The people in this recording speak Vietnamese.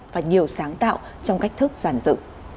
và nhiều sáng tạo trong cách thức giàn dự